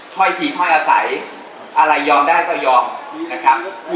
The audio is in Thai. ถ้อยทีถ้อยอาศัยอะไรยอมได้ก็ยอมนะครับ